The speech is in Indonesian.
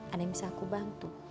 ada yang bisa aku bantu